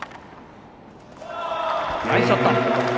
ナイスショット。